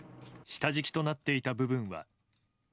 下敷きとなっていた部分は。